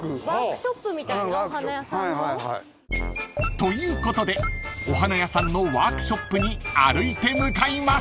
［ということでお花屋さんのワークショップに歩いて向かいます］